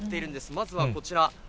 まずはこちら。